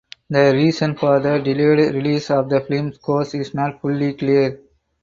The reason for the delayed release of the film scores is not fully clear.